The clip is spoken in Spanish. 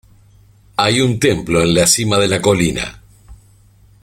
Hay un templo en la cima de la colina.